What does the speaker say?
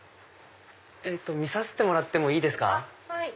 見させてもらってもいいですか？